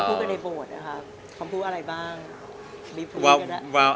ตอนที่พร้อมเข้าสู่โบสถ์เรียน